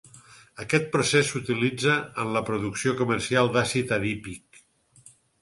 Aquest procés s'utilitza en la producció comercial d'àcid adípic.